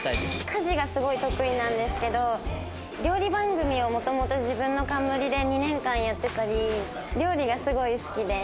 家事がすごい得意なんですけど料理番組をもともと自分の冠で２年間やってたり料理がすごい好きで。